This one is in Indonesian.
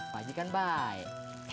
pakcik kan baik